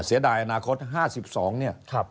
เสียดายอนาคต๕๒เนี่ย